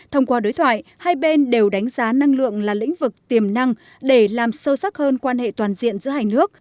thông qua đối thoại hai bên đều đánh giá năng lượng là lĩnh vực tiềm năng để làm sâu sắc hơn quan hệ toàn diện giữa hai nước